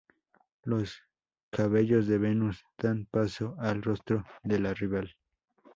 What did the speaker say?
Los cabellos de Venus dan paso al rostro de la rival.